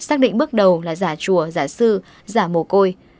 xác định bước đầu là giả chùa giả sư giả mồ côi